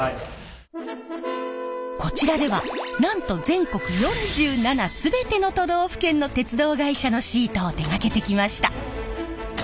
こちらではなんと全国４７全ての都道府県の鉄道会社のシートを手がけてきました。